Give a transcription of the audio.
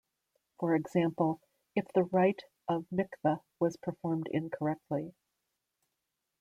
For example, if the rite of mikveh was performed incorrectly.